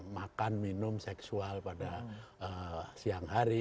makan minum seksual pada siang hari